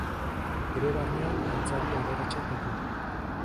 Bere barnean altzari aberatsak ditu.